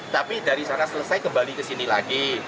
tapi dari sana selesai kembali ke sini lagi